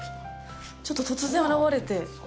ちょっと突然現れて。